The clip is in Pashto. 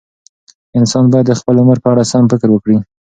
انسانان باید د خپل عمر په اړه سم فکر وکړي.